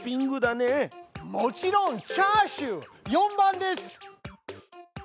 もちろんチャーシュー４番です！